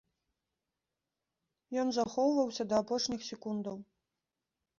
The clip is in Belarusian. Ён захоўваўся да апошніх секундаў.